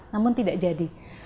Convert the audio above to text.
namun tidak jadi